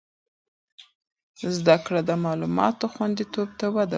زده کړه د معلوماتو خوندیتوب ته وده ورکوي.